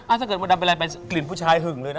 อาจจะเกิดมตดำเวลาไปกลิ่นผู้ชายหึ่งเลยนะ